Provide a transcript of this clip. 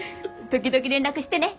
時々連絡してね。